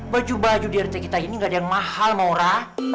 baju baju di rt kita ini gak ada yang mahal maura